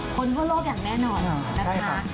คนทั่วโลกอย่างแน่นอนนะคะ